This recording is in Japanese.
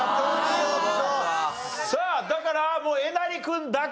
さあだからもうえなり君だけ。